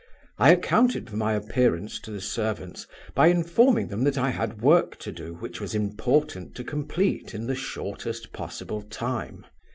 I accounted for my appearance to the servants by informing them that I had work to do which it was important to complete in the shortest possible time.